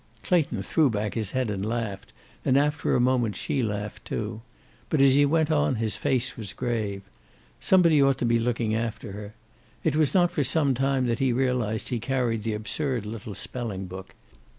Clayton threw back his head and laughed, and after a moment she laughed, too. But as he went on his face was grave. Somebody ought to be looking after her. It was not for some time that he realized he carried the absurd little spelling book.